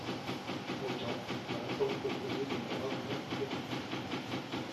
Pour autant, la réforme proposée demeure largement perfectible.